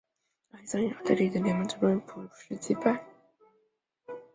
但黑森与奥地利的联盟最终被普鲁士击败。